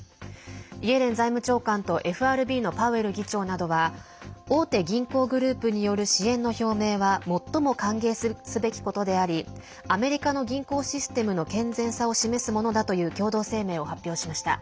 イエレン財務長官とＦＲＢのパウエル議長などは大手銀行グループによる支援の表明は最も歓迎すべきことでありアメリカの銀行システムの健全さを示すものだという共同声明を発表しました。